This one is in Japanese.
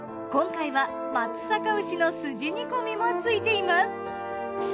今回は松阪牛のすじ煮込みも付いています。